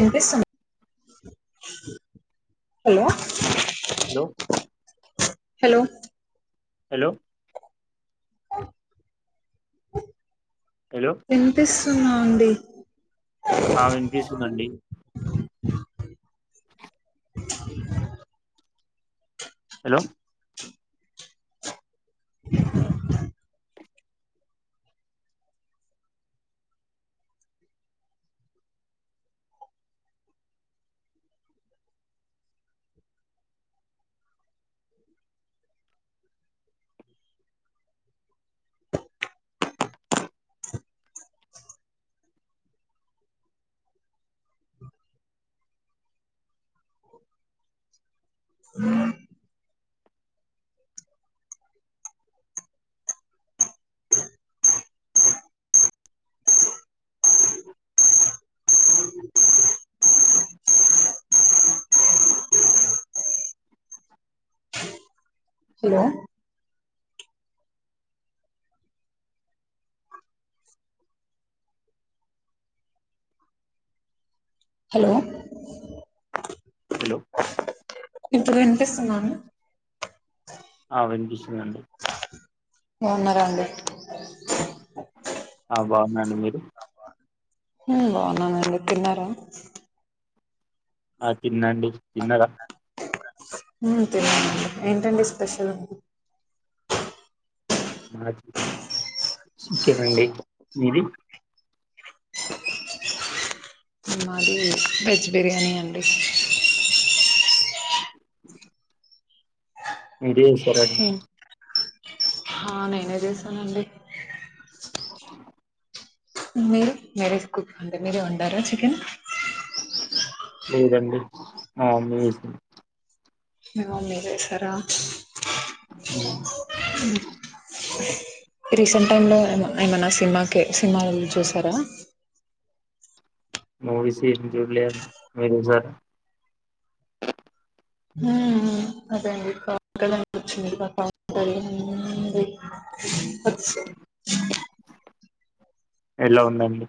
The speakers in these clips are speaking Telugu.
ఇన్పిస్తున్ హలో లొ హలొ హలొ హలో వినిపిస్తుందా అండి? అ వినిపిస్తుందండి. హలొ ఉమ్ హలొ హలో హలో ఇప్పుడ్ వినిపిస్తుందా అండి? అ వినిపిస్తుందండి. బవున్నారా అండి? అ బావున్నాను మీరు? హ్మ్ బావున్నానండి తిన్నారా? అ తిన్నండి తిన్నరా? హ్మ్ తిన్ననండి ఏంటండి స్పెషల్? మాద్ చికెన్ అండి మీది? మాది వెజ్ బిర్యానీ అండి. మిరే చెసరా అండి? నెనే చేసానండి. మ్యరేజ్ కుక్ అంతే మీరే వండారా చికెన్? లేదండి మామ్మి చేసింద్. మి మమ్మి చెసారా? [unintelligible] రీసెంట్ టైమ్ లో ఏమ ఏమన్న సినిమాకి సినిమా వెళ్లి చూసారా? మూవీస్ ఎం జూడ్లే మీరు చూసారా? మ్ హ్మ్ అదే అండి [inaudible] వచ్చింది [inaudible] వచ్చి అట్లా ఎలా ఉందండి?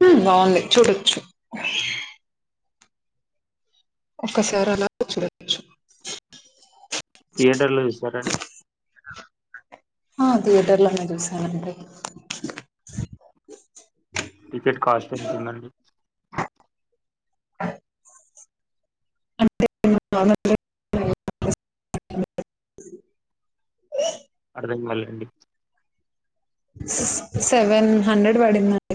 హ్మ్ బావుంది చూడొచ్చు. ఒక్కసారి అలా చూడొచ్చు. థియేటర్ లో చూసార అండి? హా థియేటర్లోనే చూసానండి. టికెట్ కాస్ట్ ఎంతుందండి? అంటే [inaudible] మళ్లండి సూ్ సెవెన్ హండ్రెడ్ పడిందండి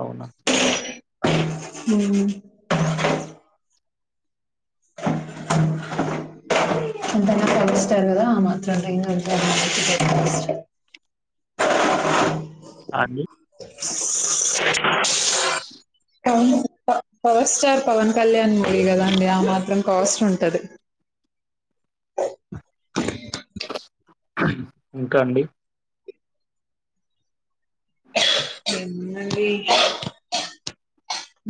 అవున ఉమ్ వొస్తారు కదా ఆ మాత్రలు మింగ అని అవును పవన్ ప పవర్ స్టార్ పవన్ కళ్యాణ్ విదగండి ఆ మాత్రం కాస్ట్ ఉంటది ఇంకా అండి ఏముందండి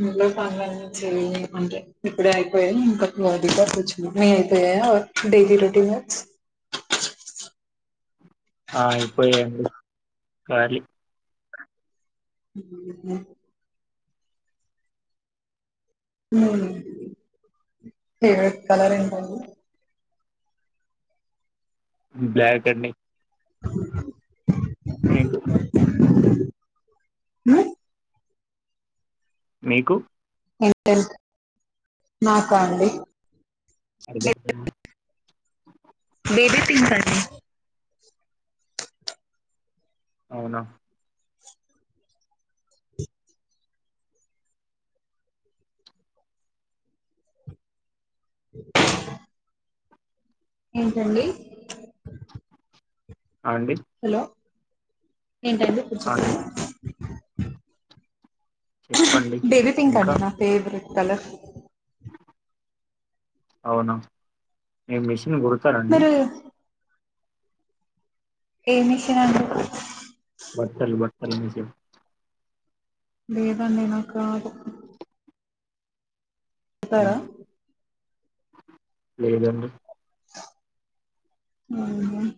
ఇంట్లో పనులని చేయనీకుంటే ఇప్పుడే అయిపోయాయి ఇంక ఇంగ [inaudible] డైలీ రొటీను ఆ అయిపోయాయి అండి కాళీ హ్మ్ ఫేవరెట్ కలర్ ఏంటండీ బ్లాక్ అండి మీకు ఉమ్ మీకు ఎంత ఎంత్ మాకా అండి అడగచ బేబీ పింక్ అండి అవునా ఏంటండి ఆ అండి ఏంటండీ ఇప్పుడు అది చేపుండ్రి చెప్పండి బేబీ పింక్ ఇంకా అండి నా ఫేవరట్ కలర్ అవునా మీరు మిషన్ గుడతార అండి మీరు ఏ మిషన్ అండి బట్టలు బట్టలు మిషిన్ లేదండి నాక్ రాదు తార అవునా లేదండి ఉహ్మ్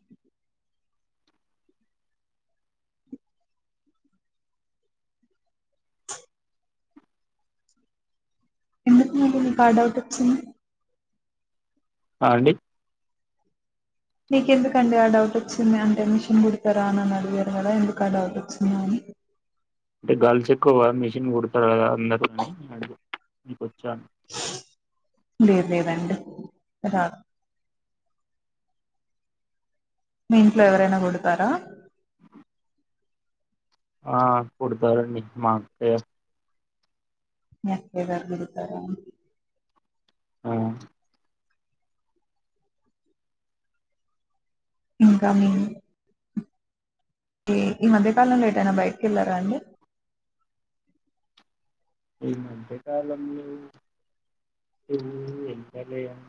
ఎందుకు మళ్ళీ నీకా ఆ డౌట్ వొచ్చింది ఆ అండి మీక్ ఎందుకండి ఆ డౌట్ వచ్చింది అంటే మిషన్ కుడతారా అన్ అని అడిగారు కదా ఎందుకు ఆ డౌట్ వచ్చిందా అని అంటే గాల్స్ ఎక్కువ మిషిన్ కుడతార అ అన్ అని మీకోచా లేద్ లేద్ అండి రా మీఇంట్లో ఎవరైనా కుడతారా ఆ కుడుతారండి మా అక్కయ్ మీ అక్కయ్య గారు గుడతారా ఆ ఇంకా మేం ఈ మధ్య కాలంలో ఏటైనా బైటక్ ఎల్లారా అండి ఈ మధ్య కాలంలో హ్మ్ ఏళ్తాలే గాన్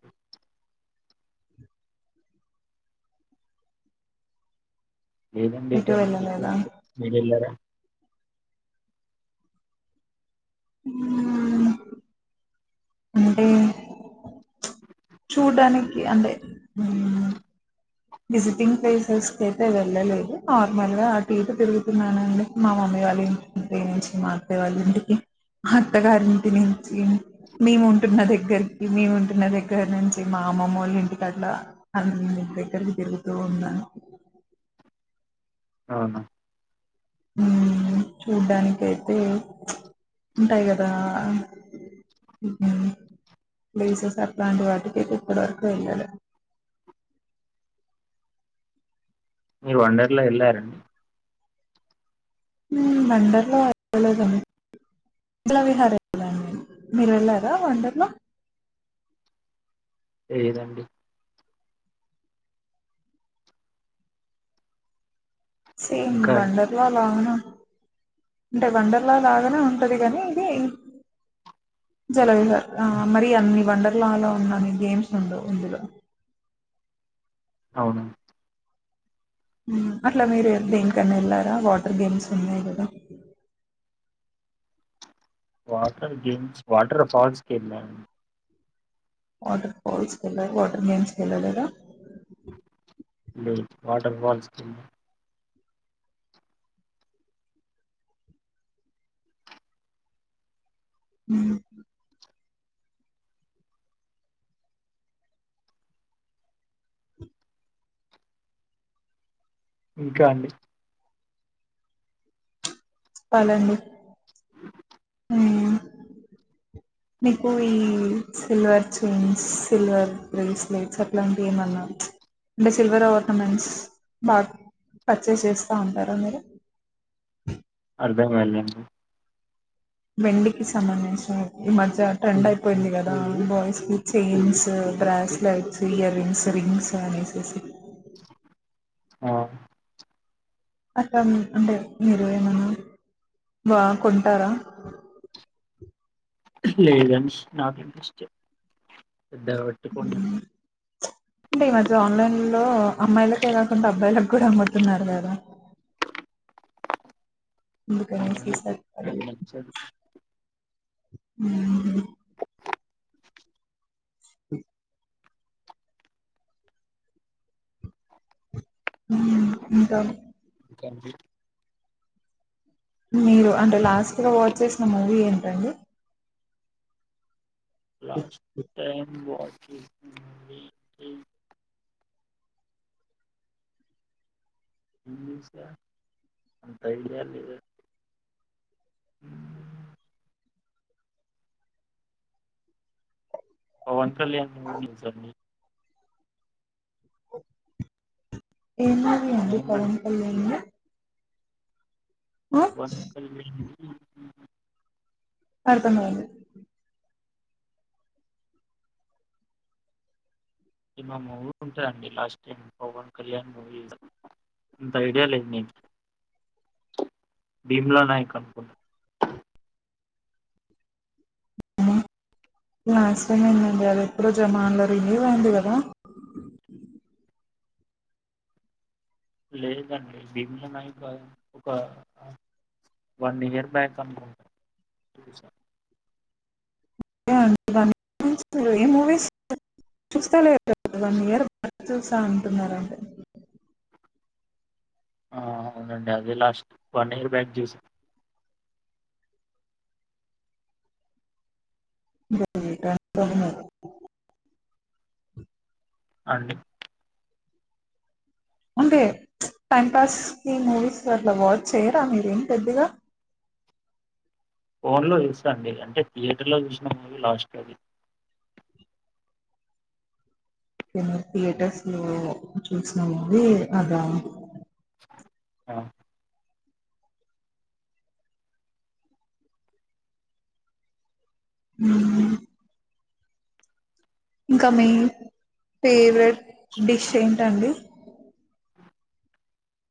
ఏదండి ఎటు ఎటన్ ఎట్ వెళ్ళలేదా మీరేలారా హా ఆ ఆ అంటే చూడ్డానికి అంటే హాహ్ విజిటింగ్ ప్లేసెస్ కి అయితే వెళ్ళలేదు. నార్మల్ గా ఆటు ఇటు తిరుగుతున్నానండి. మా మమ్మీ వాళ్ళ ఇంటింటి నుంచి మా అత్తయ్య వాళ్ళింటికి మా అత్తగారింటి నుంచి మేము ఉంటున్న దగ్గరికి మేము ఉంటున్న దగ్గర నుంచి మా అమ్మమ్మోళింటికి అట్ల అన్ [unintelligible] తిరుగుతూ ఉన్నాను. అవునా హ్మ్ చూడ్డానికైతే చ్ ఉంటాయి గదా. హుము ప్లేసెస్ అట్లాంటి వాటికైతె ఇప్పడి వర్కు వెళ్ళలే. మీరు వండర్లా వెళ్ళారండి? మ్ వండర్లా వెళ్లలేదండి. [unintelligible] విహార వెళ్ళాను నేను. మీరు వెళ్లారా వండర్ల? లేదండి సేమ్ ఇంకా అండి వండర్ల లాగనే ఉన్ అంటే వండర్లా లాగానే ఉంటది గనీ ఇది సెలవ్ ఇగ అహ్ మరి అన్ని వండర్ లా లో ఉన్ననీ గేమ్స్ ఉండవ్ ఇందులో. అవును మ్ అట్ల మీరు దేనికన్న వెళ్లారా వాటర్ గేమ్స్ ఉన్నాయి గదా వాటర్ గెమ్స్, వాటర్ ఫల్స్ కెళ్ళాము. వాటర్ ఫాల్స్ కెళ్ళర? వాటర్ గేమ్స్ కెళ్లలేదా. మ్ వాటర్ ఫాల్స్ కెళ్ళం ముహు ఇంకా అండి చెప్పాలండి ఉమ్ మీకు ఈ సిల్వర్ చైన్స్, సిల్వర్ బ్రేస్లెట్స్ అట్లాంటియ్ ఏమన్నా చ్ అంటే సిల్వర్ ఆర్నమెంట్స్ బాగ పర్చేస్ చేస్తా ఉంటారా మీరు? అర్థంగాలే వెండికిి సంబంధించినవి ఈ మధ్య ట్రెండ్ అయిపోయింది గదా. బాయ్స్ కి chains bracelets, earrings, rings అనేసెసి ఆహ అక్క అన్ అంటే మీరు ఎమన్నా వా కొంటారా? లేదన్ష్ నాక్ ఇంట్రెస్ట్ పెద్దగ పట్టుకొని అంటే ఈ మధ్య ఆన్లైన్ లో అమ్మాయిలకే కాకుండా అబ్బాయిల క్ కుడా అమ్ముతున్నారు గదా. అవునండి అందుకనేసేసి నాకు అంటన్నారు నచ్చదు ఉహు అ మ్ ఉంటాను. ఎన్ టి మీరు అంటె లాస్ట్గా వాచ్ చేసిన మూవీ ఏంటండి? లాస్ట్ టైమ్ వాకింగ్ మీటింగ్ అంత ఐడియా లేద్ పవన్ కళ్యాణ్ మూవీ చుసానండి ఏమయింది అండి పవన్ మేమండి కళ్యాణ్ కి? [inaudible] అర్థమయింది. సినిమా మూవీ ఉంటదండి last time Pawan Kalyan movie త ఇంత ఐడియా లేదు నీక్ భీమ్లనాయక అనుకుంటా హ్మ్ లాస్ట్ టైమ్ ఎందండి అది ఎప్పుడ జమాన్లో రిలీస్ అయింది కదా లేదండి భీమ్లనాయకా ఒక వన్ ఇయర్ బ్యాక్ అనుకుంటా బహుశ [inaudible] మూవీస్ చూస్తా లే వన్ ఇయర్ బ్యాక్ చూసా అంటున్నరంతే ఆ అవునండి అదే లాస్ట్ వన్ ఇయర్ బ్యాక్ చూస్ [unintelligible] అండి అంటే ప్చ్ టైం పాస్ కీ మూవీస్ అట్ల వాచ్చేయరా మీరేం పెద్దగా ఫోన్లో చూస్తా అండి అంటే థియేటర్లో చూసిన మూవీ లాస్ట్ అదే థియేటర్స్ లో చూసిన మూవీ అదా ఆ హ్మ్ ఇంకా మీ ఫేవరెట్ డిష్ ఏంటండి